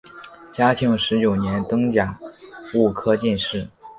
嘉庆十九年登甲戌科进士。